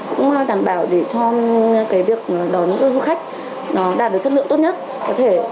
cũng đảm bảo để cho việc đón du khách đạt được chất lượng tốt nhất